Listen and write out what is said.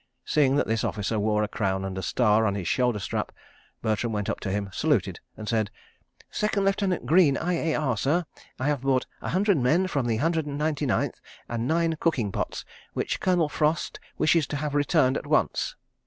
Seeing that this officer wore a crown and star on his shoulder strap, Bertram went up to him, saluted, and said: "Second Lieutenant Greene, I.A.R., sir. I have brought a hundred men from the Hundred and Ninety Ninth, and nine cooking pots—which Colonel Frost wishes to have returned at once.